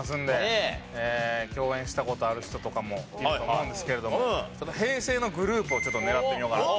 共演した事ある人とかもいると思うんですけれども平成のグループを狙ってみようかなと。